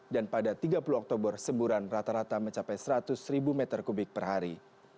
dan pada tiga puluh oktober semburan rata rata mencapai seratus ribu meter kubik per hari